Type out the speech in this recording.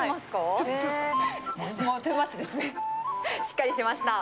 しっかりしました。